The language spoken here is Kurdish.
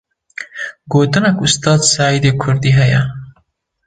Gotineke Ustad Saîdê Kurdî heye.